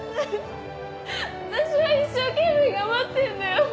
私は一生懸命頑張ってるんだよ。